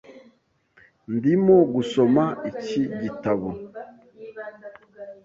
Ndimo gusoma iki gitabo .